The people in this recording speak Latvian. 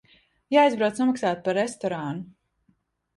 Jāaizbrauc samaksāt par restorānu.